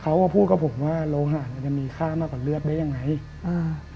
เขาอ่ะพูดกับผมว่าโลหะมันจะมีค่ามากกว่าเลือดได้ยังไงอ่า